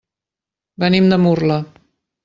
Venim de Murla.